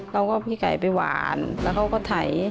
เราก็เอาพี่ไก่ไปหวานแล้วเขาก็ไถ